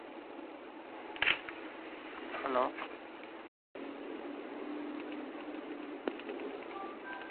No National Football League team showed interest in the undersized center.